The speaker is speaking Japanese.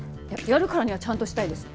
やるからにはちゃんとしたいです。